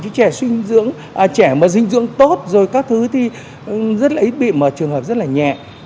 chứ trẻ suy dinh dưỡng trẻ mà dinh dưỡng tốt rồi các thứ thì rất là ít bị mà trường hợp rất là nhẹ